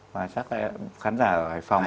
và chắc là khán giả ở hải phòng